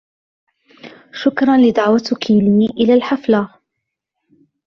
شكراً لدعوتكِ لي إلى الحفلة.